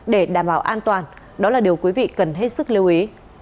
để đảm bảo an toàn đó là điều quý vị cần hết sức lưu ý